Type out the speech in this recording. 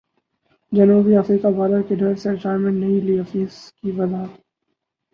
جنوبی افریقی بالرز کے ڈر سے ریٹائرمنٹ نہیں لی حفیظ کی وضاحت